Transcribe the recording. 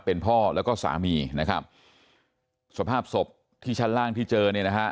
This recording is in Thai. เป็นพ่อแล้วก็สามีนะครับสภาพศพที่ชั้นล่างที่เจอเนี่ยนะฮะ